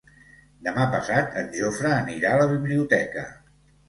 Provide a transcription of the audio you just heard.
Demà passat en Jofre anirà a la biblioteca.